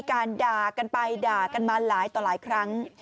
แต่น้องส้มไฟหยอมจบและไปให้จบแต่ได้การด่ากลัว